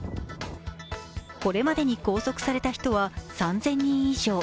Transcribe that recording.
これまでに拘束された人は３０００人以上。